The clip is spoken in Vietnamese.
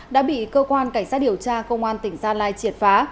đã bị cơ quan cảnh sát điều tra công an tỉnh gia lai triệt phá